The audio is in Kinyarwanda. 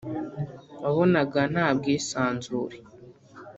wabonaga nta bwisanzure